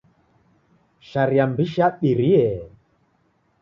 Sharia m'bishi yabirie.